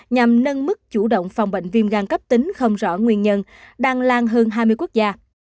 nhằm nâng mức chủ động phòng bệnh viêm gan cấp tính không rõ nguyên nhân đang lan hơn hai mươi quốc gia